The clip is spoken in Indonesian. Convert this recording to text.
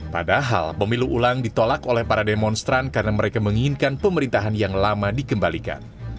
padahal pemilu ulang ditolak oleh para demonstran karena mereka menginginkan pemerintahan yang lama dikembalikan